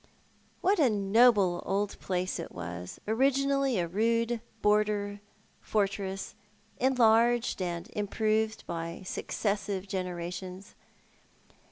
^Vhat a noble old jilace it was— originally a rude border fortress, enlarged and improved by successive generations.